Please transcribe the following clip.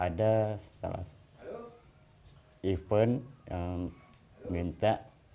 ada salah event yang minta